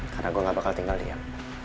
karena gue gak bakal tinggal diam